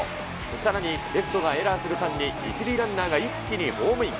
さらにレフトがエラーする間に１塁ランナーが一気にホームイン。